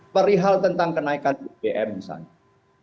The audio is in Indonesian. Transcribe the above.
perihal tentang kenaikan ugm misalnya